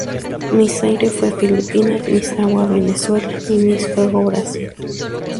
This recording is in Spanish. Miss Aire fue Filipinas, Miss Agua Venezuela, y Miss Fuego Brasil.